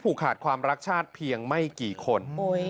ขาดความรักชาติเพียงไม่กี่คน